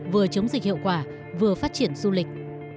vừa chống dịch hiệu quả vừa phát triển du lịch